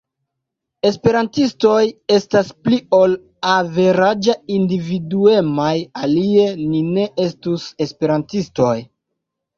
Esperantistoj estas pli ol averaĝe individuemaj alie ni ne estus esperantistoj.